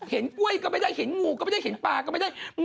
กล้วยก็ไม่ได้เห็นงูก็ไม่ได้เห็นปลาก็ไม่ได้